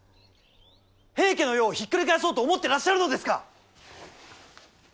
平家の世をひっくり返そうと思ってらっしゃるのですか！